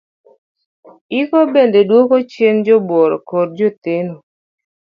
Iko bende oduok chien jobuoro kod jotheno.